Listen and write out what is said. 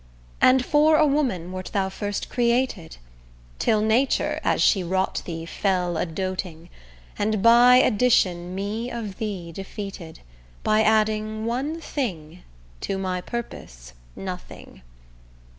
And for a woman wert thou first created; Till Nature, as she wrought thee, fell a doting, And by addition me of thee defeated, By adding one thing to my purpose nothing.